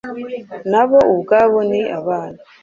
nabo ubwabo ni abana